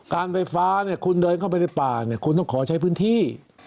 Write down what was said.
การไฟฟ้าเนี่ยคุณเดินเข้าไปในป่าเนี่ยคุณต้องขอใช้พื้นที่